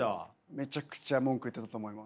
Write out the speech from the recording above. めちゃくちゃ文句言ってたと思います。